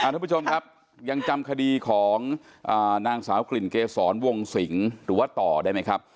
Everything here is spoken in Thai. ทุกผู้ชมครับยังจำคดีของนางสาวกลิ่นเกษรวงสิงหรือว่าต่อได้ไหมครับ